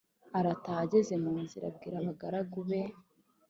arataha ageze munzira abwira babagaragu be